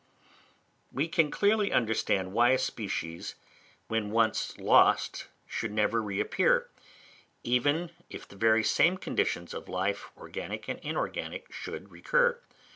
We can clearly understand why a species when once lost should never reappear, even if the very same conditions of life, organic and inorganic, should recur.